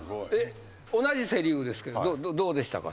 同じセ・リーグですけどどうでしたか？